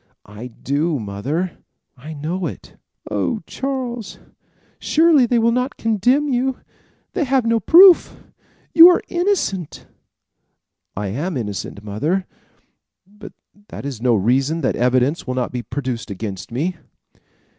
"I do mother. I know it." "Oh, Charles, surely they will not condemn you! They have no proof. You are innocent." "I am innocent, mother; but that is no reason that evidence will not be produced against me."